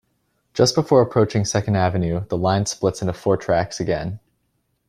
Just before approaching Second Avenue, the line splits into four tracks again.